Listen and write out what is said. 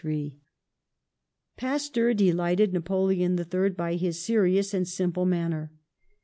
Pasteur delighted Napoleon III by his seri ous and simple manner.